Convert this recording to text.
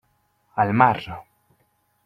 Al mar!